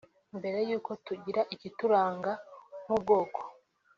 mbere y’uko tugira ikituranga nk’ubwoko